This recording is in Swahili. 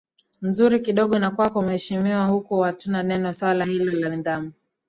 nzuri kidogo na kwako mheshimiwa huku hatunaneno swala hilo la nidhamu